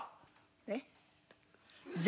えっ？